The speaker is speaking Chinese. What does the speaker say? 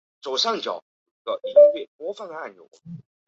胶片有的时候会夸大光线的颜色。